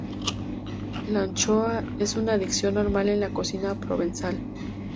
La anchoa es una adición normal en la cocina provenzal.